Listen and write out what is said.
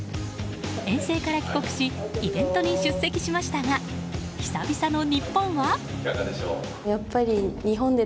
遠征から帰国しイベントに出席しましたが久々の日本は？